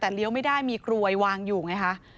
แต่เลี้ยวไม่ได้มีกลวยวางอยู่ไงคะ